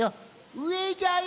うえじゃよ！